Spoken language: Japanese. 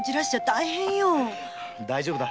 大丈夫だ。